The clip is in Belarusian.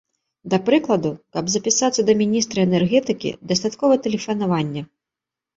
Да прыкладу, каб запісацца да міністра энергетыкі, дастаткова тэлефанавання.